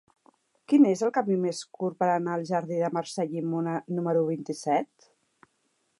Quin és el camí més curt per anar al jardí de Mercè Llimona número vint-i-set?